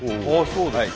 そうですか。